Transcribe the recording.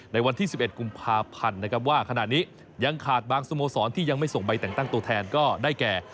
ในวันที่๑๑กุมภาพันธ์นะครับว่าขณะนี้ยังขาดบางสโมสรที่ยังไม่ส่งใบแต่งตั้งตัวแทนก็ได้แก่